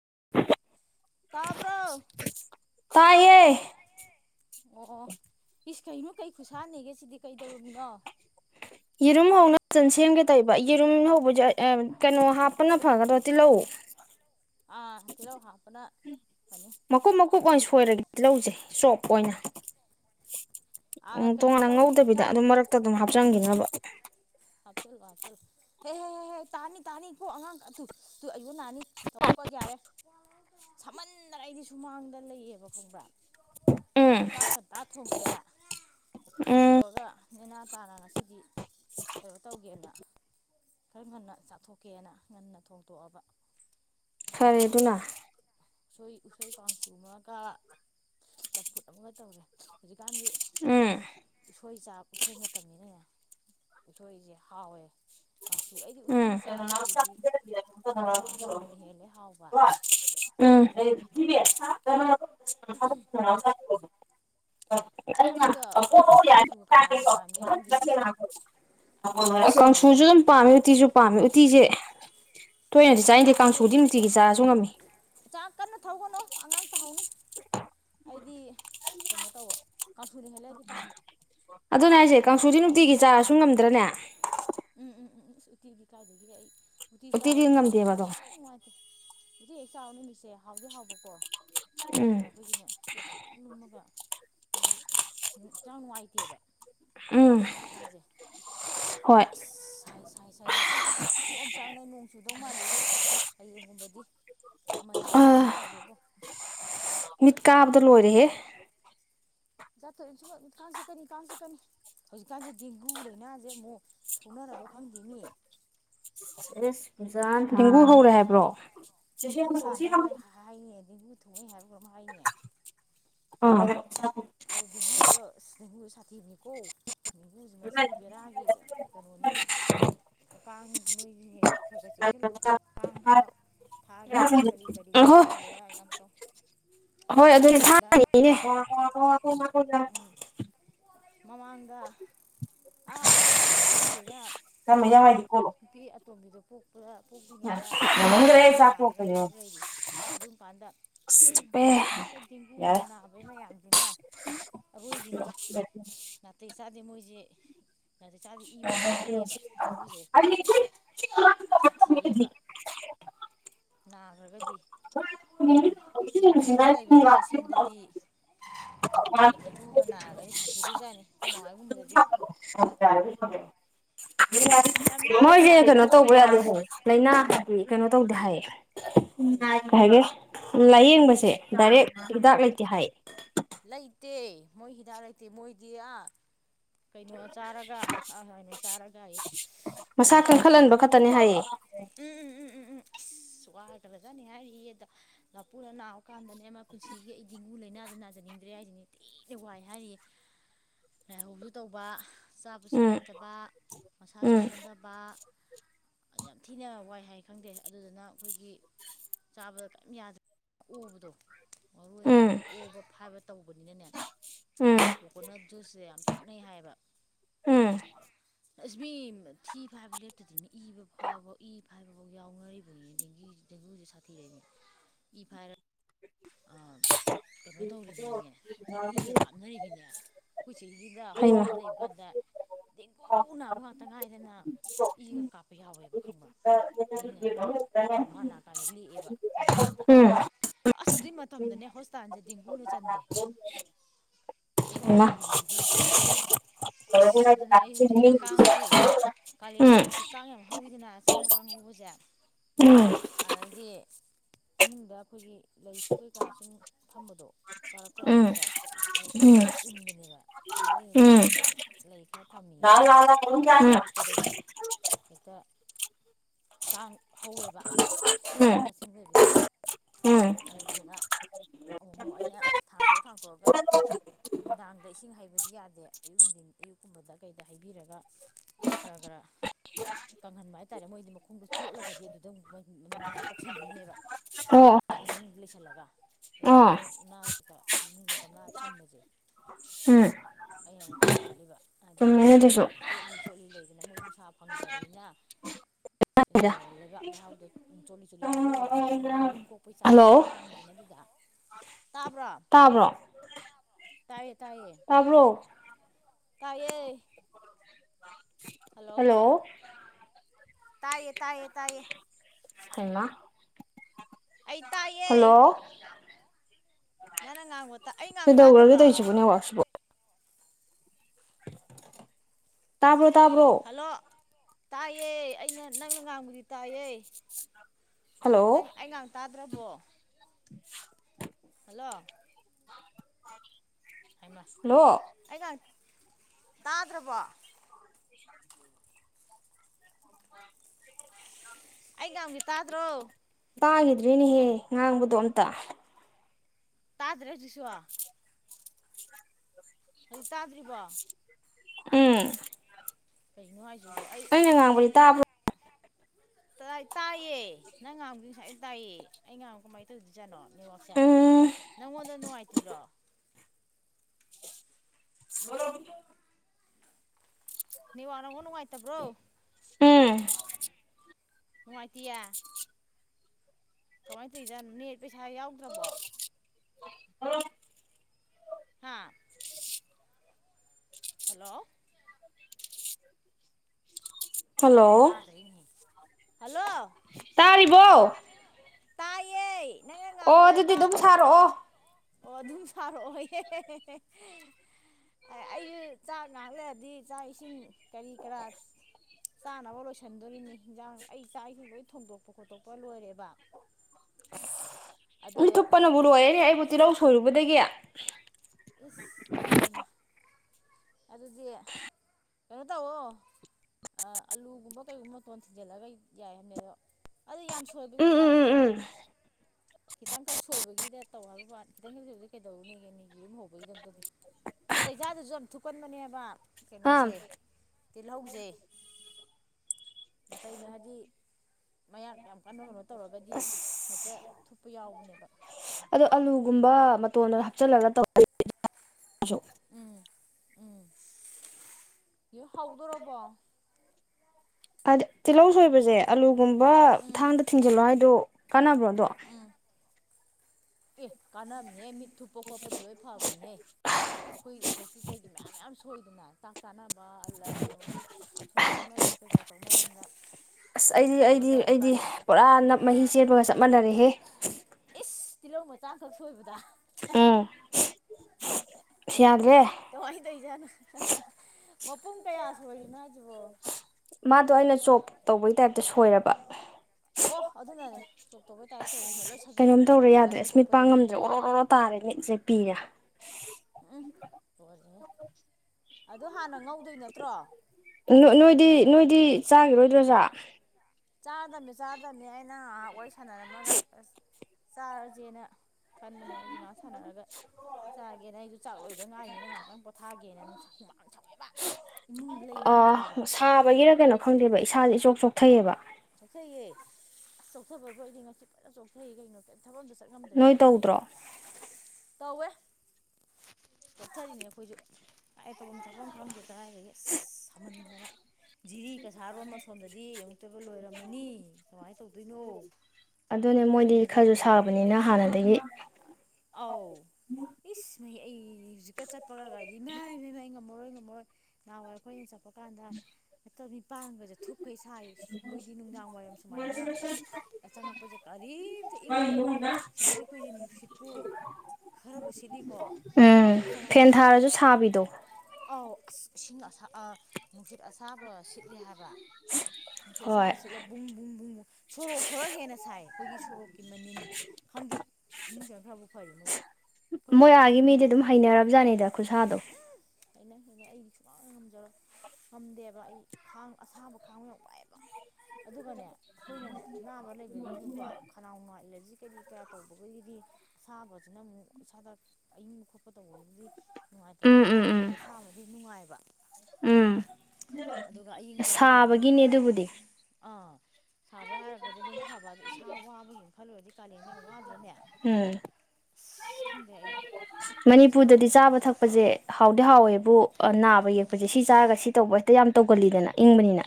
[unintelligible] ꯇꯥꯕ꯭꯭ꯔꫭ꯫ ꯇꯥꯌꯦ꯫ ꯑꯣ ꯑꯣ ꯏꯁ ꯀꯩꯅꯣ ꯀꯩ ꯈꯨꯠꯁꯥꯅꯤꯒꯦ ꯁꯤꯗꯤ ꯀꯩꯗꯧꯃꯤꯅꯣ꯫ ꯌꯦꯔꯨꯝ ꯍꯧꯅ ꯆꯟ ꯁꯦꯝꯒꯦ ꯇꯧꯏꯕ ꯌꯦꯔꯨꯝ ꯍꯧꯕꯁꯦ ꯑ ꯀꯩꯅꯣ ꯍꯥꯞꯄꯅ ꯐꯒꯗ꯭ꯔꯣ ꯇꯤꯜꯍꯧ꯫ ꯑꯥ ꯇꯤꯜꯍꯧ ꯍꯥꯄꯅ ꯐꯅꯤ꯫ ꯈꯣꯏꯔꯒꯦ ꯇꯤꯜꯍꯧꯖꯦ ꯆꯣꯞ ꯑꯣꯏꯅ꯫ ꯎꯝ ꯎꯝ ꯑꯥ ꯀꯩꯅꯣ ꯇꯣꯡꯅ ꯇꯧꯋꯦ ꯉꯧꯗꯕꯤꯗ ꯆꯥꯛ ꯑꯗꯨꯝ ꯃꯔꯛꯇ ꯑꯗꯨꯝ ꯍꯥꯞꯆꯟꯈꯤꯅꯕ꯫ [inaudible] ꯍꯦꯍꯦ ꯍꯦ ꯍꯦ ꯇꯥꯅꯤ ꯇꯥꯅꯤ ꯀꯣ ꯑꯉꯥꯡ ꯇꯨ ꯑꯌꫭꯟ ꯅꯥꯅꯤ ꯀꫭ ꯌꯥꯔꯦ꯫ ꯁꯃꯟꯗꯅ ꯑꯩꯗꯤ ꯁꯨꯃꯥꯡꯗ ꯂꯩꯌꯦꯕ ꯈꯪꯕ꯭ꯔꯥ꯫ ꯎꯝ ꯆꯥꯛ ꯀꯟꯇꯥ ꯊꯣꯡꯗꯣꯛꯑꯦ ꯎꯝ ꯊꯣꯡꯇꯣꯛꯑꯒ ꯅꯦꯅꯥ ꯇꯥꯅ ꯉꯁꯤꯗꯤ ꯀꯩꯅꯣ ꯇꯧꯒꯦꯅ ꯈꯔ ꯉꯟꯅ ꯆꯥꯊꯣꯛꯀꯦꯅ ꯉꯟꯅ ꯊꯣꯡꯇꯣꯛꯑꯕ꯫ ꯐꯔꯦ ꯑꯗꯨꯒ ꯑꯗꯨꯅ ꯎꯁꯣꯏ ꯎꯁꯣꯏ ꯀꯥꯡꯁꯨ ꯑꯃꯒ ꯆꯝꯐꯨꯠ ꯑꯃꯒ ꯇꯧꯔꯦ ꯍꯧꯖꯤꯛꯀꯥꯟꯗꯤ ꯎꯝ ꯎꯁꯣꯏ ꯆꯥꯛ ꯎꯁꯣꯏ ꯃꯇꯝꯅꯤꯅꯅꯦ ꯎꯁꯣꯏꯁꯦ ꯍꯥꯎꯋꯦ꯫ ꯀꯥꯡꯁꯨ ꯑꯩꯗꯤ ꯎꯠꯇꯤ ꯎꯝ ꯆꯥꯕꯕꯨꯗꯤ ꯀꯥꯡꯁꯨꯅ ꯍꯦꯜꯂꯦ ꯍꯥꯎꯕ [unintelligible] [unintelligible] ꯎꯇꯤꯒ ꯀꯥꯡꯁꯨꯒ ꯀꯔꯡꯅꯥ ꯍꯦꯟꯅ ꯄꯥꯝꯒꯦ ꯅꯪꯗꯤ꯫ ꯀꯥꯡꯁꯨꯁꯨ ꯑꯗꯨꯝ ꯄꯥꯝꯃꯦ ꯎꯇꯤꯁꯨ ꯄꯥꯝꯃꯤ ꯎꯇꯤꯁꯦ ꯇꯣꯏꯅꯗꯤ ꯆꯥꯅꯤꯡꯗꯦ ꯍꯥꯏꯗꯤ ꯀꯥꯡꯁꯨꯗꯤ ꯅꯨꯡꯇꯤꯒꯤ ꯆꯥꯔꯁꯨ ꯉꯝꯃꯤ ꯆꯥꯛ ꯀꯟꯅ ꯊꯧꯒꯅꯣ ꯑꯉꯥꯡ ꯇꯥꯍꯧꯅꯤ꯫ ꯑꯩꯗꯤ ꯀꯩꯅꯣ ꯇꯧꯕ ꯀꯥꯡꯁꯨꯅ ꯍꯦꯜꯂ ꯑꯩꯗꯤ ꯄꯥꯝꯕ꯫ ꯑꯗꯨꯅꯦ ꯍꯥꯏꯁꯦ ꯄꯥꯟꯒꯨꯝꯕ ꯑꯝꯇ ꯀꯥꯡꯁꯨꯗꯤ ꯅꯨꯡꯇꯤꯒꯤ ꯆꯥꯅꯤꯡꯉꯤ ꯆꯥꯔꯁꯨ ꯉꯝꯗ꯭ꯔꯅꯦ꯫ ꯎꯝ ꯎꯝ ꯏꯁ ꯎꯇꯤꯒꯤ ꯀꯥꯏꯗꯒꯤꯗꯤ ꯑꯩ ꯎꯇꯤ ꯎꯇꯤꯗꯤ ꯆꯥꯔꯨ ꯅꯨꯃꯤꯠꯇꯤ ꯉꯝꯗꯦꯕ ꯏꯁꯥ ꯑꯗꯣ ꯁꯛꯅꯨꯡꯨ ꯅꯨꯡꯉꯥꯏꯇꯦ꯫ ꯎꯠꯇꯤ ꯍꯦꯛ ꯆꯥꯎꯔꯨ ꯅꯨꯃꯤꯠꯁꯦ ꯍꯥꯎꯗꯤ ꯍꯥꯎꯕꯀꯣ ꯎꯝ ꯑꯗꯨꯒꯅꯦ ꯑꯩꯈꯣꯏꯒꯤꯅꯦ ꯄꯨꯛꯁꯦ ꯂꯨꯝ ꯂꯨꯝꯃꯒ ꯑꯩꯈꯣꯏꯒꯤ ꯍꯛꯆꯥꯡ ꯅꯨꯡꯉꯥꯏꯇꯦꯕ꯫ ꯎꯝ ꯏꯁꯥꯖꯦ ꯍꯣꯏ꯫ ꯁꯥꯏ ꯁꯥꯏ ꯉꯁꯤ ꯌꯥꯝ ꯊꯤ ꯑꯝꯆꯥꯛꯅꯩ ꯅꯣꯡ ꯆꯨꯗꯧ ꯃꯥꯜꯂꯦꯕꯣ ꯍꯌꯦꯡꯒꯨꯝꯕꯗꯤ꯫ ꯁꯥꯃꯟꯗꯅ ꯀꯩꯅꯣꯝ ꯇꯧꯔꯦꯕꯣ꯫ ꯄ꯭ꯔꯣꯛ ꯃꯤꯠ ꯄ꯭ꯔꯣꯛ ꯀꯥꯕꯗ ꯂꯣꯏꯔꯦꯍꯦ꯫ ꯖꯥꯠꯊꯣꯏ ꯁꯤꯃ ꯀꯥꯡ ꯆꯠꯀꯅꯤ ꯀꯥꯡ ꯆꯠꯀꯅꯤ ꯍꯧꯖꯤꯛꯀꯥꯟꯁꯦ ꯗꯦꯡꯒꯨ ꯂꯥꯏꯅꯥꯁꯦ ꯑꯃꯨꯛ ꯊꯧꯅꯔꯕ ꯈꯪꯗꯤꯅꯤ꯫ ꯑꯦꯁꯖ ꯗꯦꯡꯒꯨ ꯍꯧꯔꯦ ꯍꯥꯏꯕ꯭ꯔꯣ꯫ ꯍꯣꯁꯄꯤꯇꯥꯜꯗ ꯍꯣꯏ ꯍꯥꯏꯅꯩ ꯗꯦꯡꯒꯨ ꯊꯣꯛꯑꯦ ꯍꯥꯏꯕꯒ ꯑꯃ ꯍꯥꯏꯅꯤ꯫ [unintelligible] ꯑꯗꯨ ꯗꯦꯡꯒꯨꯗ ꯗꯦꯡꯒꯨ ꯁꯥꯊꯚꯤꯅꯤꯀꯣ꯫ ꯃꯁꯤ ꯕꯦꯔꯥꯒꯤ ꯀꯩꯅꯣꯅꯤ꯫ ꯀꯥꯡ ꯅꯣꯏ ꯍꯦꯛ ꯈꯔ ꯈꯔ ꯆꯦꯛꯁꯤꯜꯂꯨ ꯀꯥꯡꯍꯤꯗꯥꯛ ꯊꯥꯒꯦꯔꯥ ꯀꯔꯤ ꯀꯔꯤ ꯑꯍꯣ ꯊꯥꯗꯣꯛꯅꯒꯦꯔꯥ ꯑꯝ ꯇꯧ꯫ ꯍꯣꯏ ꯑꯗꯨꯗꯤ ꯍꯣꯁꯄꯤꯇꯥꯜꯗ ꯊꯥꯅꯤꯅꯦ꯫ ꯃꯃꯥꯡꯗ ꯑ ꯑꯩꯈꯣꯏ ꯆꯦꯅ ꯃꯆꯥ ꯅꯨꯄꯤ ꯑꯇꯣꯝꯕꯤꯗꯣ ꯄꯨꯔꯥ ꯄꯣꯛꯇ꯭ꯔꯤꯉꯩꯗ ꯍꫭꯁꯏꯇꯥꯟꯗ ꯃꯥꯁꯦ ꯅꯥꯗꯅ ꯑꯃꯈꯛ ꯂꯩꯔꯤ ꯑꯗꯨꯝ ꯛꯥꯟꯗ ꯑꯁ ꯆꯞꯄꯦ ꯍꯦꯛꯇ ꯗꯦꯡꯒꯨꯒꯤ ꯅꯥꯕꯩ ꯃꯌꯥꯝꯁꯤꯅ ꯑꯔꫭꯏꯕꯤꯅꯦ ꯅꯇꯩ ꯆꯥꯗꯦ ꯃꯣꯏꯁꯦ꯫ ꯉꯗꯤ ꯆꯥꯗꯤ ꯏꯕꯨ ꯀꯥꯞꯅꯩꯑꯦꯕ ꯍꯧꯖꯤꯛ ꯁꯥꯊꯤꯌꯦꯕ꯫ ꯅ꯫ ꯔꯒꯗꯤ ꯑꯩꯅ ꯗꯥꯏꯄ‌ꯦꯇꯤꯁ ꯂꯩꯕ ꯄꯦꯁꯦꯟꯗꯗꯤ꯫ [unintelligible] ꯑꯗꯨꯒ ꯅꯥꯔꯒꯗꯤ ꯁꯥꯊꯤꯗꯣꯏꯖꯥꯠꯅꯤ ꯑꯩꯈꯣꯏ ꯃꯃꯥꯏꯒꯨꯝꯕꯗꯗꯤ ꯌꯥꯝ ꯃꯣꯏꯁꯦ ꯂꯥꯡꯉꯤꯅ ꯀꯩꯅꯣ ꯇꯧꯕ ꯌꯥꯗ‌ꯦ ꯍꯥꯏꯌ‌ꯦ ꯂꯩꯅ ꯍꯥꯏꯕꯅꯤ꯫ ꯀꯩꯅꯣ ꯇꯧꯗꯦ ꯍꯥꯏꯌꯦ ꯀꯔꯤ ꯑꯥꯏ ꯕꯤ ꯑꯦꯐ ꯂꯥꯏꯌꯦꯡꯕꯁꯦ꯫ ꯗꯥꯏꯔꯦꯛ ꯎꯝ ꯍꯤꯗꯥꯛ ꯂꯩꯇꯦ ꯍꯥꯏꯌ‌ꯦ꯫ ꯂꯩꯇꯦ ꯃꯣꯏ ꯍꯤꯗꯥꯛ ꯂꯩꯇꯦ ꯃꯣꯏꯗꯤ ꯑ꯫ ꯀꯩꯅꯣ ꯆꯥꯔꯒ ꯑ ꯀꯩꯅꯣ ꯆꯥꯔꯒ ꯌ‌ꯦ꯫ ꯃꯁꯥ ꯀꯟꯈꯠꯍꯟꯕ ꯈꯛꯇꯅꯦ ꯍꯥꯏꯌꯦ꯫ ꯎꯝ ꯎꯝ ꯎꯝ ꯎꯝ ꯎꯝ ꯏꯁ꯫ ꯨ ꯋꯥꯒꯔꯖꯥꯠꯅꯤ ꯍꯥꯏꯔꯤꯌꯦ ꯑꯗ ꯅꯄꯨꯅ ꯅꯥꯀꯥꯟꯗꯅꯦ ꯃꯥ ꯄꯨꯟꯁꯤꯒꯤ ꯑꯩ ꯗꯤꯡꯒꯨ ꯂꯩꯅꯁ‌ꯦꯅ꯫ ꯖꯅꯤꯡꯗ꯭ꯔꯦ ꯍꯥꯏꯁꯤꯅꯦ ꯊꯤꯅ ꯋꯥꯏ ꯍꯥꯏꯔꯤꯌꯦ ꯂꯥꯏꯍꯧꯁꯨ ꯇꯧꯕ꯫ ꯆꯥꯕꯁꯨ ꯎꯝ ꯌꯥꯗꯕ ꯃꯁꯥꯁꯨ ꯎꯝ ꯁꯣꯟꯗꯕ꯫ ꯌꯥꯝ ꯊꯤꯅ ꯋꯥꯏ ꯍꯥꯏ ꯈꯪꯗꯦ ꯑꯗꯨꯗꯨꯅ ꯑꯈꯣꯏꯒꯤ꯫ ꯆꯥꯕꯗ ꯀꯩꯑꯝ ꯌꯥꯗ ꯑꫭꯕꯗꯣ꯫ ꯎꯝ꯫ ꯍꯥꯏꯕ ꯇꯧꯕꯅꯤꯅꯅꯦ ꯎꯝ ꯀꯣꯀꯣꯅꯠ ꯖꯨꯁꯁꯦ ꯌꯥꯝ ꯊꯛꯅꯩ ꯍꯥꯏꯌꯦꯕ꯫ ꯎꯝ꯫ ꯑꯁ ꯃꯤ ꯊꯤ ꯐꯥꯏꯕ ꯂꯦꯞꯇꯗꯤ ꯃꯤ ꯏꯕ ꯐꯥꯏꯕꯐꯥꯎ ꯏ ꯐꯥꯏꯕꯐꯥꯎ ꯌꯥꯎꯅꯔꯤꯕꯅꯤ ꯗ‌ꯦꯡꯒꯤ꯫ ꯗꯦꯡꯒꯨꯁꯦ ꯁꯥꯊꯤ ꯔ‌ꯦꯅꯦ ꯏ ꯐꯥꯏꯔ꯫ ꯀꯩꯅꯣ ꯇꯧꯔꯤꯕꯅꯤꯅꯦ ꯏꯒ ꯀꯥꯞꯅꯔꯤꯝꯃꯤꯅ‌ꯦ꯫ ꯑꯈꯣꯏ ꯆ‌ꯦꯗꯨꯗ ꯍꯩꯃꯥ ꯍꯣꯁꯄꯤꯇꯥꯜꯗ ꯂꯩꯕ ꯀꯥꯟꯗ ꯗꯦꯡꯒꯨ ꯅꯥꯕ ꯉꯥꯛꯇ ꯉꯥꯏꯗꯅ꯫ ꯏꯒ ꯀꯥꯞꯄ ꯌꯥꯎꯋꯦꯕ ꯈꯪꯕ꯭ꯔ꯫ ꯑꯩꯅ ꯃꯥꯅꯥ ꯀꯥꯟꯗ ꯂꯦꯛꯑꯦꯕ ꯑꯦꯗꯚꯥꯟꯁꯇ꯫ ꯎꯝ ꯑꯁ ꯑꯗꯨꯏ ꯃꯇꯝꯗꯅꯦ ꯍꯣꯁꯄꯤꯇꯥꯜꯁꯦ ꯗ‌ꯦꯡꯒꯨꯅ꯫ [unintelligible] ꯑꯩ ꯀꯤ ꯍꯩꯃꯥ ꯕꯁꯤꯗꯤ꯫ ꯏꯁ ꯑꯗꯨꯅ ꯑꯩ ꯍꯧꯖꯤꯛ ꯀꯥꯡꯁꯦ ꯀꯥꯂꯦꯟꯗꯤ ꯎꯝ ꯍꯧꯖꯤꯛꯁ‌ꯦ ꯀꯥꯡ ꯌꯥꯝ ꯍꯧꯋꯤꯗꯅ ꯑꯆꯪꯕ꯫ ꯀꯥꯡꯉꯧꯕꯁꯦ ꯎꯝ ꯑꯗꯩꯗꯤ ꯏꯃꯨꯡꯗ ꯑꯈꯣꯏꯒꯤ꯫ ꯂꯩꯁꯨ ꯀꯩꯀꯥ ꯁꯨꯝ ꯊꯝꯕꯗꯣ ꯀꯥꯔꯛ ꯎꯝ ꯎꯝ ꯀꯥꯔꯛꯇꯒ꯫ ꯑꯗꯨ ꯎꯝ ꯀꯥꯡ ꯌꯥꯝ ꯏꯟꯕꯅꯦꯕ ꯑꯗꯨ ꯑꯩ ꯀꯥꯗ ꯂꯩ ꯈꯔ ꯊꯝꯃꯤꯌꯦ꯫ ꯎꯝ꯫ ꯍ‌ꯦꯛꯇ꯫ ꯀꯥꯡ ꯍꯧꯋꯦꯕ ꯃꯅꯥ ꯎꯝ ꯃꯁꯤꯡ ꯂꯩꯕꯗꯣ꯫ ꯎꯝ ꯑꯗꯨꯗꯨꯅ ꯑꯃꫭꯛ ꯑꯃꫭꯛ ꯑꯩꯅ ꯊꯥꯡꯇꯣꯛ ꯊꯥꯡꯇꯣꯛꯑꯒ꯫ ꯅꯨꯡꯗꯥꯡꯗ ꯏꯁꯤꯡ ꯍꯩꯕꯗꯤ ꯌꯥꯗꯦ꯫ ꯑꯌꯨꯛꯅꯨꯡꯗꯤꯟ ꯑꯌꯨꯛꯀꯨꯝꯕꯗ ꯀꯩꯗ ꯍꯩꯕꯤꯔꯒ ꯈꯔ ꯈꯔ꯫ ꯀꯪꯍꯟꯕ ꯍꯥꯏꯇꯥꯔꯦ ꯃꯣꯏꯗꯤ ꯃꯈꯣꯡꯗꯣ ꯆꯣꯠꯂꯒꯗꯤ ꯑꯗꯨꯗ ꯃꫭꯛ ꯃꯅꯥ ꯀꫭꯛꯁꯟꯗꯣꯏꯅꯦꯕ꯫ ꯑꯣ ꯑꯗꯨ ꯃꯅꯨꯡꯗ ꯂꯩꯁꯟ꯫ ꯍꯜꯂꯒ ꯑꯗꯨꯗꯨꯅ ꯑꯣ ꯑꯩꯅ ꯎꯅꯥꯇ ꯏꯃꯨꯡꯗ ꯒꯝꯂꯥ ꯊꯝꯕꯁꯦ꯫ ꯎꯝ ꯑꯩꯅꯃꯨꯛ ꯄꯥꯈꯠꯂꯤꯕ ꯍꯥꯏꯗꯤ꯫ ꯃꯤ ꯑꯗꯨꯁꯨ꯫ ꯑꯗꯨꯅ ꯃꫭꯏ ꯅꯨꯡꯁꯥ ꯐꯪꯗ꯭ꯔꯕꯅꯤꯅ ꯂꯩꯕꯥꯛ ꯂꯩꯍꯥꯎꯗ ꯆꯣꯜꯂꯤ ꯆꯣꯜꯂꯤ꯫ ꯇꯧꯕ ꯍꯩꯔꯕꯅꯤꯅ ꯃꯔꯨꯝ ꯀꯣꯛꯄꯩꯒꯤ ꯆꯥꯡꯁꯨ ꯌꯥꯝ ꯍꯜꯂꯣ ꯋꯥꯡꯉꯤꯗꯅ ꯑꯗꯨꯗ꯫ ꯇꯥꯕ꯭ꯔꯣ ꯇꯥꯕ꯭ꯔꯣ꯫ ꯇꯥꯏꯌꯦ ꯇꯥꯕ꯭ꯔꯣ‌꯫ ꯇꯥꯏꯌ‌ꯦ꯫ ꯍꯜꯂꯣ꯫ ꯇꯥꯏꯌꯦ ꯇꯥꯏꯌꯦ ꯇꯥꯏꯌꯦ꯫ ꯍꯩꯃꯥ꯫ ꯑꯩ ꯇꯥꯏꯌꯦ ꯍꯜꯂꯣ ꯅꯪꯅ ꯉꯥꯡꯕ ꯑꯩ ꯉꯥꯡ ꯀꯩꯗꯧꯈ꯭ꯔꯒꯦ ꯇꯥꯗꯕ꯭ꯔꯣ ꯇꯧꯔꯤꯁꯤꯕꯣ ꯅꯦꯠꯋꯥꯛꯁꯤꯕꯣ ꯇꯥꯕ꯭ꯔꯣ ꯇꯥꯕ꯭ꯔꯣ ꯍꯜꯂꯣ ꯇꯥꯏꯌꯦ ꯑꯩꯅ ꯅꯪꯅ ꯉꯥꯡꯕꯨꯗꯤ ꯇꯥꯏꯌꯦ ꯅꯪ ꯍꯜꯂꯣ ꯑꯩ ꯉꯥꯡ ꯇꯥꯗ꯭ꯔꯕꯣ [unintelligible] ꯍꯜꯂꯣ ꯍꯥꯏꯃ ꯍꯜꯂꯣ ꯑꯩꯒ ꯇꯥꯗ꯭ꯔꯕꯣ ꯑꯩꯒꯁ ꯇꯥꯗ꯭ꯔꯣ ꯇꯥꯈꯤꯗ꯭ꯔꯤꯅꯦꯍꯦ ꯉꯥꯡꯕꯗꯣ ꯑꯝꯇ ꯇꯥꯖ꯭ꯔꯦ ꯆꯁꯨ ꯍꯧꯖꯤ ꯇꯥꯗ꯭ꯔꯤꯕꯣ ꯎꯝ ꯀꯩꯅꯣ ꯍꯥꯏꯁꯤꯕꯣ ꯑꯩ ꯑꯩꯅ ꯉꯥꯡꯕꯗꯤ ꯅꯪꯅ ꯇꯥꯕ꯭ꯔꯣ ꯇꯥꯏꯌꯦ ꯅꯪ ꯉꯥꯡꯕꯗꯨ ꯁꯨꯥꯏꯅ ꯇꯥꯏꯑ ꯑꯩ ꯉꯥꯡꯕ ꯀꯃꯥꯏꯅ ꯇꯧꯗꯣꯏꯖꯥꯅꯣ ꯅꯌꯌꯣꯛꯁꯦ ꯎꯝ ꯅꯪꯉꯣꯟꯗ ꯅꯨꯡꯉꯥꯏꯇ꯭ꯔꯤꯔꯣ ꯅ ꯑꯅ ꯎꯅꯥꯏꯇꯕ꯭ꯔꯣ ꯎꯝ ꯅꯅꯨꯡꯉꯥꯏꯇꯌꯥ ꯀꯃꯥꯏꯅ ꯇꯧꯔꯤꯖꯥꯠꯣ ꯅꯅꯦꯠ ꯄꯩꯁꯥ ꯌꯥꯎꯗ꯭ꯔꯕꯣ ꯍꯥ ꯍꯜꯂꯣ ꯍꯜꯂꯣ ꯇꯥꯗꯅꯤ ꯍꯜꯂꯣ ꯇꯥꯔꯤꯕꯣ ꯇꯥꯏꯦ ꯅꯪꯅ ꯉꯥꯡꯕꯗꯣ ꯑꯗꯨꯗꯤ ꯑꯗꯨꯝ ꯇꯥꯗ꯭ꯔꯕꯣꯑꯣ ꯁꯥꯔꯛꯑꯣ ꯑꯣ ꯑꯗꯨꯝ ꯁꯥꯔꯛꯑꯣꯍ ꯑꯩꯁꯨ ꯆꯥꯛ ꯉꯥꯛꯂꯑꯗꯤ ꯆꯥꯛ ꯏꯁꯤꯡ ꯀꯔꯤ ꯀꯔꯥ ꯆꯥꯅꯕ ꯂꯣꯏꯁꯟꯗꯣꯔꯤꯕꯅꯤ ꯍꯟꯖꯥꯡ ꯑꯩ ꯆꯥꯛꯁꯤ ꯂꯣꯏ ꯊꯣꯡꯗꯣꯛꯄ ꯈꯣꯠꯇꯣꯛꯄ ꯂꯣꯏꯔꯦꯕ ꯑꯗꯨꯒ ꯃꯤꯊꯨꯞꯄꯅꯕꯨ ꯂꯣꯏꯌꯦꯦꯅꯦ ꯑꯩꯕꯨ ꯇꯤꯜꯍꯧ ꯁꯣꯏꯔꯨꯕꯗꯒꯤ ꯏꯁ ꯉꯥꯏ ꯄꯦꯃ ꯑꯗꯨꯗꯤ ꯑꯦ ꯇ ꯑꯣꯣ ꯑꯥꯂꯨꯒꯨꯝꯕ ꯀꯩꯒꯨꯝꯕꯇꯣꯟ ꯊꯤꯟꯖꯤꯜꯂꯒ ꯌꯥꯏ ꯍꯥꯏꯅꯦꯗꯣ ꯑꯗꯨ ꯌꯥꯝ ꯁꯣꯏꯕꯒꯤ ꯎꯝ ꯎꯝ ꯎꯝ ꯋꯥꯔꯤꯅꯤꯅ ꯎꯝ ꯈꯤꯇꯪ ꯈꯛ ꯁꯣꯏꯕꯒꯤꯗ ꯇꯧ ꯍꯥꯏꯕ ꯄꯥꯠ ꯈꯤꯇꯪ ꯍꯧꯦ ꯀꯩꯗꯧꯨꯅꯤꯒꯦ ꯅꯤꯒꯤ ꯌꯨꯝ ꯍꯧꯧꯕ ꯗꯤ ꯅꯥꯇꯩꯖꯥꯗꯁꯨ ꯌꯥꯝ ꯊꯨꯀꯟꯕꯅꯦ ꯍꯥꯏꯕ ꯑꯥ ꯀꯩꯅꯣꯁꯦ ꯇꯤꯜꯍꯧꯁꯦ ꯃꯇꯩ ꯍꯥꯏꯗꯤ ꯃꯌꯥꯝ ꯌꯥꯝ ꯀꯟꯅ ꯀꯩꯅꯣ ꯇꯧꯔꯒꯗꯤ ꯑꯁ ꯍꯦꯛꯇ ꯊꯨꯞꯄ ꯌꯥꯎꯕꯅꯦꯕ ꯑꯗꯣ ꯑꯂꯨꯒꯨꯝꯕ ꯇꯣꯟ ꯍꯥꯞꯆꯤꯜꯂꯒ ꯎꯝ ꯎꯝ ꯌ ꯍꯧꯗꯣꯔꯔꯕꯣ ꯇꯤꯜꯍꯧ ꯁꯣꯏꯕꯁꯦ ꯑꯂꯨꯒꯨꯝꯕ ꯎꯝ ꯊꯥꯡꯗ ꯊꯤꯡꯖꯤꯜꯂꯣ ꯍꯥꯏꯗꯣ ꯀꯥꯟꯅꯕ꯭ꯔꯣꯗꯣ ꯎꯝ ꯑꯦ ꯀꯥꯟꯅꯕꯅꯤꯍꯦ ꯃꯤꯠ ꯊꯨꯞꯄ ꯈꯣꯠꯄꯗꯤ ꯂꯣꯏ ꯐꯕꯅꯤꯍꯦ ꯑꯩꯈꯣꯏ ꯎꯁꯣꯞꯀꯤ ꯀꯩꯒꯤ ꯃꯌꯥꯝ ꯃꯌꯥꯝ ꯁꯣꯏꯗꯅ ꯆꯥꯟꯅꯕ ꯑꯗ ꯀꯩꯅꯣꯒꯤ ꯁꯨꯝ ꯁꯣꯝꯃ ꯂꯥꯛ ꯀꯩꯀꯥ ꯇꯧꯕ ꯃꯇꯝꯗ ꯑꯁ ꯑꯩꯗꯤ ꯀꯩꯅꯣ ꯑꯩꯗꯤ ꯇꯧꯕ ꯑꯩꯗꯤ ꯀꯥꯟꯗ ꯄꯨꯔꯥ ꯅ ꯃꯍꯤ ꯆꯦꯟꯕꯒ ꯆꯞ ꯃꯥꯟꯅꯔꯦꯍꯦ ꯏꯁ ꯇꯤꯜꯍꯧ ꯃꯆꯥꯈꯛ ꯁꯣꯏꯕꯗ ꯎꯝ ꯌꯥꯗ꯭ꯔꯦ ꯀꯃꯥꯏ ꯇꯣꯏꯖꯥꯠꯅꯣꯨ ꯃꯥꯗꯣ ꯑꯩꯅ ꯆꯣꯞ ꯇꯧꯕꯒꯤ ꯇꯥꯏꯞꯇ ꯁꯣꯏꯔꯕ ꯑꯣ ꯑꯗꯨꯅꯅꯦ ꯆꯣꯞꯇꯧꯕꯩ ꯇꯥꯔꯛꯇꯣꯏꯅꯤ ꯉꯁꯥꯏ ꯑꯁ ꯂꯣꯏ ꯀꯩꯅꯣꯝ ꯁꯗꯠꯄꯗꯣ ꯇꯧꯔꯦ ꯌꯥꯗ꯭ꯔꯦ ꯑꯁ ꯃꯤꯠ ꯁꯣꯏꯗꯠꯄꯗꯣ ꯄꯥꯡ ꯉꯝꯗ꯭ꯔꯦ ꯑꯣꯔꯣ ꯑꯣꯔꯣ ꯇꯥꯔꯦ ꯃꯤꯠꯁꯦ ꯄꯤꯔꯥ ꯎꯝ ꯍ ꯑꯗꯣ ꯍꯥꯟꯅ ꯉꯧ ꯅꯣꯏꯗꯤ ꯅꯣꯏꯗꯤ ꯆꯥꯈꯤꯔꯣꯏꯗ꯭ꯔꯣꯖ꯭ꯔꯥ ꯆꯥꯗꯝꯅꯤ ꯆꯥꯗꯝꯕꯅꯤ ꯑꯩꯅꯍꯥꯛ ꯋꯥꯔꯤ ꯁꯥꯟꯅꯔꯝꯃꯒ ꯑꯁ ꯆꯥꯔꯁꯦꯅ ꯈꯟꯕꯅꯦ ꯑꯩꯁ ꯉꯍꯥꯛ ꯁꯥꯟꯅꯔꯒ ꯆꯥꯒꯦꯅ ꯑꯩꯁꯨ ꯆꯥꯛꯂꯣꯏꯗꯣꯏ ꯉꯥꯏꯔꯤꯅꯤꯅ ꯉꯥꯏꯍꯥꯛꯇꯪ ꯄꯣꯊꯥꯒꯦꯅ ꯑꯗꯨ ꯁꯨ ꯃꯔꯥꯡ ꯁꯧꯋꯦꯕ ꯏꯃꯨꯡꯗ ꯂꯩꯕ ꯑ ꯉꯝꯗ꯭ꯔꯦꯕ ꯁꯥꯕꯒꯤꯔ ꯀꯩꯅꯣ ꯈꯪꯗꯦꯕ ꯏꯁꯥ ꯆꯣꯛꯊꯩꯑꯕ ꯆꯣꯛꯊꯩꯌꯦ ꯑꯁ ꯆꯣꯛꯊꯕꯁꯨꯣ ꯑꯩꯗꯤ ꯉꯁꯤ ꯄꯨꯖ ꯆꯣꯛꯊꯩꯌꯦ ꯀꯩꯅꯣ ꯊꯕꯛꯗꯨ ꯆꯠꯉꯝꯗ꯭ꯔꯦ ꯅꯣꯏ ꯆꯠꯇ꯭ꯔꯦ ꯇꯧꯗ꯭ꯔꯣ ꯇꯧꯋꯦ ꯆꯠꯊꯔꯤꯅꯦ ꯑꯩꯈꯣꯏꯁꯨ ꯑꯩꯇꯣꯐꯝ ꯆꯥꯐꯝ ꯃꯐꯝꯗꯦ ꯀꯗꯥꯏꯗꯒꯤ ꯁꯝꯍꯟꯗꯅ ꯖꯤꯔꯤ ꯀꯩꯁꯥꯔꯣꯝ ꯑꯁꯣꯝꯗꯗꯤ ꯌꯦꯡꯉꯛꯇꯕ ꯂꯣꯏꯔꯝꯃꯅꯤ ꯀꯃꯥꯏꯅ ꯇꯧꯗꯣꯏꯅꯣ ꯑꯗꯨꯅꯦ ꯃꯣꯏꯗꯤ ꯑꯁꯣꯝꯗꯗꯤ ꯈꯔꯁꯨ ꯁꯥꯕꯅꯤꯅ ꯍꯥꯟꯅꯗꯒꯤ ꯑꯥꯎ ꯏ ꯑꯩ ꯍꯧꯖꯤꯛꯀ ꯆꯠꯄꯒ ꯂꯩꯔꯗꯤ ꯏꯥꯏꯃꯥꯏ ꯉꯝꯃꯔꯣꯏ ꯉꯝꯃꯣꯏ ꯅꯍꯥꯟꯋꯥꯏꯔ ꯑꯩꯈꯣꯏꯅ ꯆꯠꯄ ꯊꯣꯛꯄ ꯀꯥꯟꯗ ꯅ ꯃꯤ ꯄꯥꯟꯕꯁꯦ ꯊꯨꯞꯈꯩ ꯁꯥꯏ ꯃꯣꯏꯗꯤ ꯅꯨꯡꯗꯥꯡ ꯋꯥꯏꯔꯝ ꯁꯨꯃꯥꯏꯅ ꯑꯆꯪꯉꯛꯄꯁꯦ ꯀꯔꯤꯝꯇ ꯏꯪꯗꯦ ꯁꯤꯗꯩꯗꯤ ꯑꯩꯈ ꯏ ꯅꯨꯡꯁꯤꯄꯨ ꯈꯔꯕꯨ ꯁꯤꯠꯂꯤꯀꯣ ꯎꯝ ꯅ ꯐꯦꯟ ꯆꯉꯛꯄꯁꯦ ꯊꯥꯔꯁꯨ ꯁꯥꯕꯤꯗꯣ ꯑꯥꯎ ꯏꯁꯤꯡ ꯑꯁ ꯅꯨꯡꯁꯤꯠ ꯑꯁꯥꯕ ꯁꯤꯠꯂꯤ ꯍꯥꯏꯕ ꯍꯣꯏ ꯅꯨꯡꯁꯠꯁꯥꯎꯁꯤꯠꯂ ꯕꯨꯝ ꯕꯨꯝ ꯕꯨꯝ ꯁꯣꯔꯣꯛ ꯊꯂ ꯍꯦꯟꯅ ꯁꯥꯏ ꯑꯩꯈꯣꯏꯒꯤ ꯁꯣꯔꯣꯛꯀꯤ ꯃꯅꯤꯟ ꯈꯪꯗꯦ ꯏꯃꯨꯡꯖꯥ ꯐꯕꯕꯨ ꯐꯩ ꯃꯩꯅ ꯃꯣꯏ ꯑꯥꯒꯤ ꯃꯤꯗꯤ ꯑꯗꯨꯝ ꯍꯩꯅꯔꯕꯖꯥꯠꯅꯤꯗ ꯈꯨꯠꯁꯥꯗꯣ ꯑꯩꯅ ꯍꯦꯅ ꯑꯩꯗꯤ ꯁꯨꯃꯥꯡꯅ ꯉꯝꯖꯔ ꯉꯝꯗꯦꯕ ꯑꯩ ꯈꯥꯡ ꯑꯁꯥꯕ ꯈꯥꯡ ꯌꯥꯎ ꯋꯥꯏ ꯑꯗꯨꯒꯅꯦ ꯑꯩꯈꯣꯏꯅꯅꯦ ꯑꯅꯥꯕ ꯂꯩꯕꯒꯤ ꯁꯨꯝꯀꯣ ꯈꯅꯥꯎꯅ ꯑꯦꯂꯔꯖꯤ ꯀꯔꯤ ꯀꯌꯥ ꯇꯈꯒꯤꯗꯤ ꯁꯥꯕꯁꯤꯅ ꯑꯃꯨꯛ ꯏꯁꯥꯗ ꯑꯌꯤꯡꯕ ꯇꯧꯕꯕꯨꯗꯤ ꯎꯝ ꯅꯨꯡꯉꯥꯏꯇꯧꯔꯒꯤꯗꯤ ꯎꯝ ꯍꯥꯏꯔꯒꯗꯤ ꯎꯝ ꯑꯁꯥꯕꯗꯤ ꯅꯨꯡꯉꯥꯏꯕ ꯑꯗꯨꯒ ꯑꯏꯪꯕꯗꯗꯤ ꯑꯃꯨꯛ ꯁꯥꯕꯒꯤꯅꯦꯗ [inaudible] ꯑꯥ ꯁꯥꯕ ꯌꯥꯔꯒꯗꯤ ꯑꯗꯨꯝ ꯐꯕ ꯑꯗ ꯏꯁꯥ ꯋꯥꯕꯒꯤꯨꯝ ꯈꯜꯂꯨꯔꯗꯤ ꯀꯥꯂꯦꯟ ꯌꯥꯝ ꯋꯥꯗ꯭ꯔꯅꯦ ꯎꯝ ꯐꯟꯗꯦ ꯑꯩ ꯑꯩ ꯃꯅꯤꯄꯨꯔꯗꯗꯤ ꯆꯥꯕ ꯁꯥꯒꯠꯂꯛꯄꯁꯦ ꯊꯛꯄꯁꯦ ꯍꯥꯎꯗꯤ ꯍꯥꯎꯋꯦꯕꯨ ꯅꯥꯕ ꯌꯦꯛꯄꯁꯦ ꯁꯤ ꯆꯥꯔꯒ ꯁꯤ ꯇꯧꯕ ꯍꯦꯛꯇ ꯌꯥꯝ ꯇꯧꯒꯜꯂꯤꯗꯅ ꯏꯪꯕꯅꯤꯅ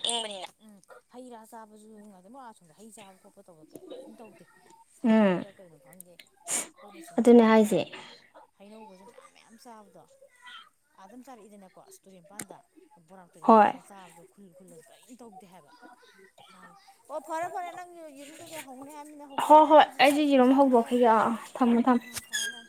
ꯍꯩ ꯔꯥ ꯆꯥꯕꯁꯨꯉꯦ ꯑꯗꯨꯝ ꯋꯥꯥ ꯁꯣꯗ ꯍꯩ ꯆꯥꯕ ꯈꯣꯠꯄ ꯇꯧꯕ ꯀꯔꯤꯝ ꯇꯧꯗꯦ ꯎꯝ ꯁꯥꯕꯒꯤꯔ ꯀꯩꯅꯣ ꯈꯪꯗꯦ ꯑꯩꯈꯣꯏꯅ ꯁꯨꯝ ꯑꯗꯨꯅꯦ ꯆꯥꯔꯒ ꯍꯥꯏꯁꯦ ꯍꯩꯅꯧꯕꯁꯨꯝ ꯃꯌꯥꯝ ꯆꯥꯕꯗꯣ ꯑꯥ ꯑꯗꯨꯝ ꯆꯥꯔꯛꯏꯗꯅꯀꯣ ꯑꯁ ꯇꯨꯔꯝꯄꯥꯥꯟꯗ ꯕꯣꯔꯥꯛꯇꯨꯒꯤ ꯍꯣꯏ ꯃꯄꯥꯟꯗ ꯆꯥꯕꯗꯣ ꯈꯨꯜ ꯈꯨꯜꯂꯁꯨ ꯀꯔꯤꯝ ꯇꯧꯗꯦ ꯍꯥꯏꯕ ꯑꯣ ꯐꯔꯦ ꯐꯔꯦ ꯅꯪꯁꯨ ꯌꯦꯔꯨꯝ ꯀꯩꯀꯩ ꯍꯧꯅꯩ ꯍꯥꯏꯕꯃꯤꯅ ꯍꯣꯏ ꯍꯧꯗꯣꯛꯑꯣ ꯑꯩꯁꯨ ꯆꯥꯛ ꯏꯁꯤꯡ ꯆꯥꯏꯅꯕꯪ ꯇꯧꯔꯤꯒꯦ ꯊꯝꯃ ꯎꯝ ꯊꯝ ꯎꯝ ꯊꯝꯃꯣ ꯊꯝꯃꯣ